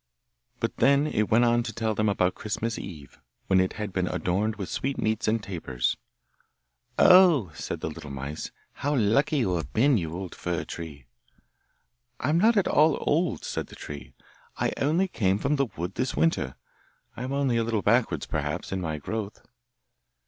But then it went on to tell them about Christmas Eve, when it had been adorned with sweet meats and tapers. 'Oh!' said the little mice, 'how lucky you have been, you old fir tree!' 'I'm not at all old' said the tree. 'I only came from the wood this winter. I am only a little backward, perhaps, in my growth.